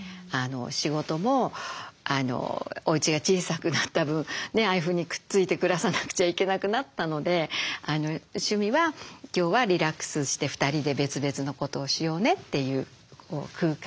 仕事もおうちが小さくなった分ああいうふうにくっついて暮らさなくちゃいけなくなったので趣味は今日はリラックスして２人で別々のことをしようねっていう空間を作ってます。